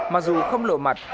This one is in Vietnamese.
mà dù không lộ mặt